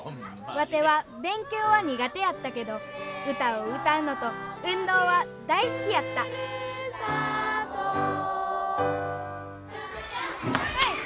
ワテは勉強は苦手やったけど歌を歌うのと運動は大好きやったえいっ！